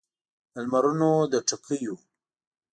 د لمرونو د ټکېو